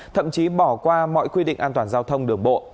thậm chí bỏ qua mọi quy định an toàn giao thông đường bộ